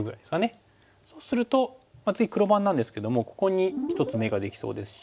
そうすると次黒番なんですけどもここに１つ眼ができそうですし。